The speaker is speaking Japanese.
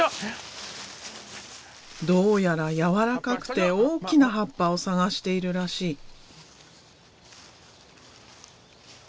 どうやら柔らかくて大きな葉っぱを探しているらしい。